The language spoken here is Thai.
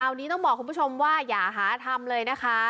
อันนี้ต้องบอกคุณผู้ชมว่าอย่าหาทำเลยนะคะ